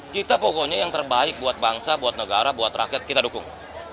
kita pokoknya yang terbaik buat bangsa buat negara buat rakyat kita dukung